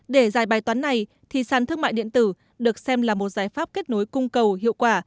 để giải bài toán này thì sàn thương mại điện tử được xem là một giải pháp kết nối cung cầu hiệu quả